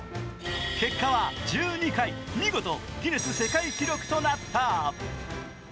結果は１２回、見事ギネス世界記録となった。